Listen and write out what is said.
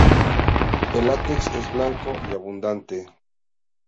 El látex es blanco y abundante.